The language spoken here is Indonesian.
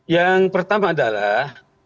yang pertama adalah